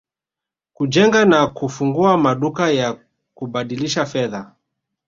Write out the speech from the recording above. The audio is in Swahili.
kujenga na kufungua maduka ya kubadilishia fedha